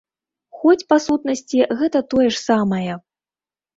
Хоць, па сутнасці, гэта тое ж самае.